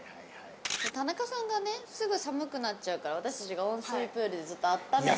田中さんがねすぐ寒くなっちゃうから私たちが温水プールでずっとあっためてあげるって。